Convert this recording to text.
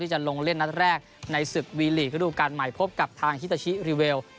จะลงเล่นนัดแรกในศึกวีลีกระดูกการใหม่พบกับทางฮิตาชิรีเวล